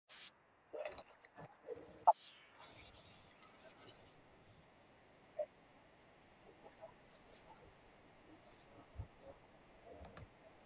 Bad Bevensen is a well-known spa town.